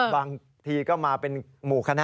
บางทีก็มาเป็นหมู่คณะ